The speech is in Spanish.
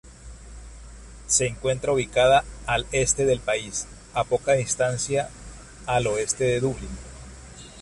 Se encuentra ubicada al este del país, a poca distancia al oeste de Dublín.